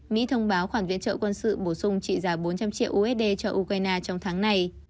mỹ thông báo khoản viện trợ quân sự bổ sung trị giá bốn trăm linh triệu usd cho ukraine trong tháng này